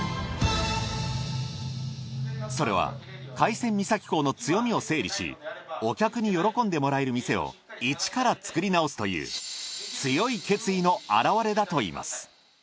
それは海鮮三崎港の強みを整理しお客に喜んでもらえる店を一から作り直すという強い決意の現れだといいます。